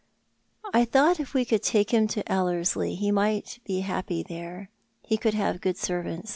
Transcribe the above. " I thought if we could take him to Ellerslie he might be happy there. He could have good servants.